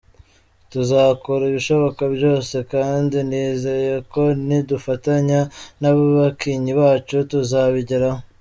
Tuzakora ibishoboka byose kandi nizeye ko nidufatanya n’abakinnyi bacu tuzabigeraho.